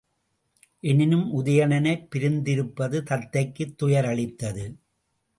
எனினும், உதயணனைப் பிரிந்திருப்பது தத்தைக்குத் துயரளித்தது.